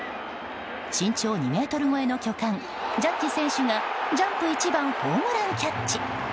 身長２ｍ超えの巨漢ジャッジ選手がジャンプ一番ホームランキャッチ。